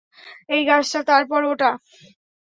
এই গাছটা, তারপর ওটা।